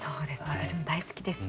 私も大好きです。